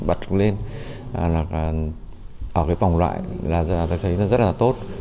bắt đầu lên là ở cái vòng loại là thấy rất là tốt